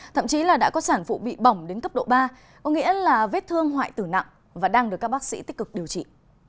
thậm chí là đã có sản phụ bị bỏng đến cấp độ ba có nghĩa là vết thương hoại tử nặng và đang được các bác sĩ tích cực điều trị